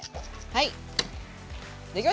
はい。